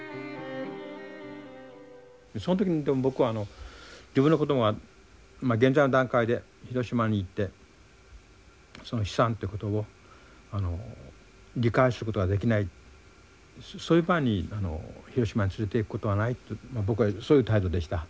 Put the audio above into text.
その時にでも僕は自分の子どもが現在の段階で広島に行ってその悲惨ってことを理解することができないそういう場合に広島に連れて行くことはないと僕はそういう態度でした。